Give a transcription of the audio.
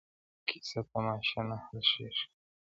کيسه تماشه نه حل ښيي ښکاره،